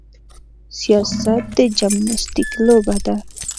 سیاست د جمناستیک لوبه ده.